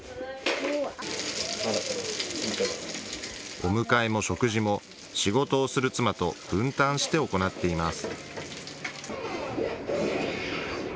お迎えも食事も仕事をする妻と分担して行っています。